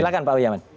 silahkan pak boyamin